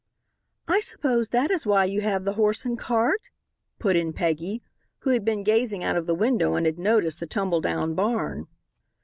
"I suppose that is why you have the horse and cart?" put in Peggy, who had been gazing out of the window and had noticed the tumbledown barn.